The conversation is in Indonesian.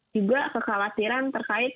juga kekhawatiran terkait ya